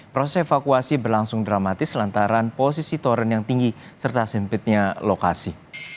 proses evakuasi berlangsung dramatis lantaran posisi toren yang tinggi serta sempitnya lokasi